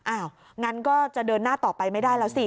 งั้นก็จะเดินหน้าต่อไปไม่ได้แล้วสิ